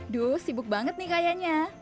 duh sibuk banget nih kayaknya